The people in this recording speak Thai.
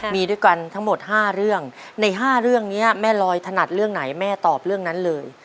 มีด้วยกันทั้งหมด๕เรื่องใน๕เรื่องนี้แม่ลอยถนัดเรื่องไหนแม่ตอบเรื่องนั้นเลย